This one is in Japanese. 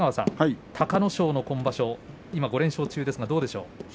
隆の勝の今場所、今５連勝中ですが、いかがですか？